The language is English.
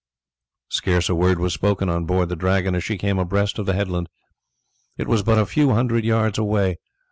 Scarce a word was spoken on board the Dragon as she came abreast of the headland. It was but a few hundred yards away.